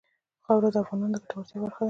خاوره د افغانانو د ګټورتیا برخه ده.